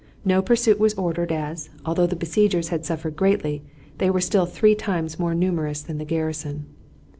No pursuit was ordered as, although the besiegers had suffered greatly, they were still three times more numerous than the garrison.